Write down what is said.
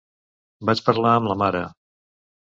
Vaig parlar amb la mare.